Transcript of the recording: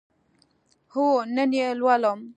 هو، نن یی لولم